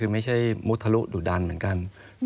ไม่ได้มุทรรุดุดันเหมือนกัน